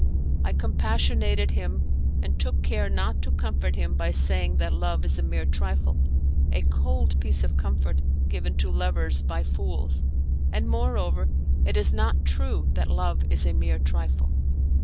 I compassionated him, and took care not to comfort him by saying that love is a mere trifle a cold piece of comfort given to lovers by fools, and, moreover, it is not true that love is a mere trifle.